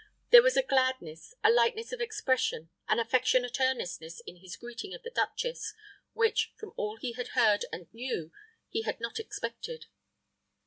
There was a gladness, a lightness of expression, an affectionate earnestness in his greeting of the duchess which, from all he had heard and knew, he had not expected.